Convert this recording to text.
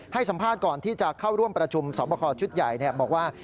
ให้สัมภาษณ์ก่อนที่จะเข้าร่วมประชุมสอบคอชุดใหญ่บอกว่า